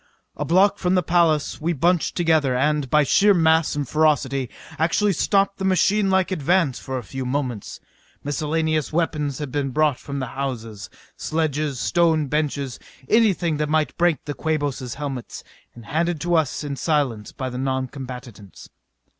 A block from the palace we bunched together and, by sheer mass and ferocity, actually stopped the machinelike advance for a few moments. Miscellaneous weapons had been brought from the houses sledges, stone benches, anything that might break the Quabos' helmets and handed to us in silence by the noncombatants.